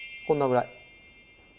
こんなぐらい。